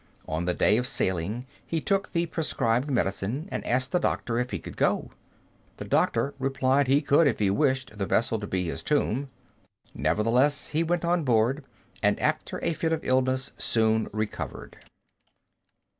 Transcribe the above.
On the day of sailing he took the prescribed medicine, and asked the doctor if he could go. The doctor replied he could if he wished the vessel to be his tomb. Nevertheless he went on board, and after a fit of illness soon recovered.